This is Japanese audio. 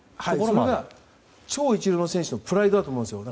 それが超一流選手のプライドだと思うんですよね。